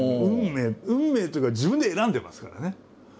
運命運命というか自分で選んでますからね。